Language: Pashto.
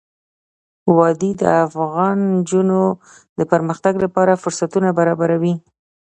وادي د افغان نجونو د پرمختګ لپاره فرصتونه برابروي.